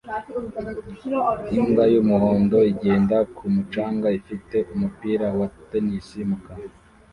Imbwa y'umuhondo igenda ku mucanga ifite umupira wa tennis mu kanwa